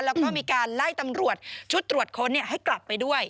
แล้วก็มีการไล่ตำรวจชุดตรวจค้นให้กลับไปด้วย